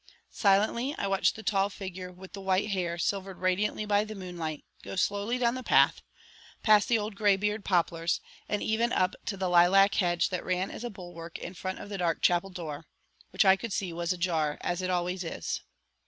Silently I watched the tall figure with the white hair silvered radiantly by the moonlight go slowly down the path, past the old graybeard poplars, and even up to the lilac hedge that ran as a bulwark in front of the dark chapel door, which I could see was ajar as it always is.